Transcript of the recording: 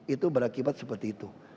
itu berakibat seperti itu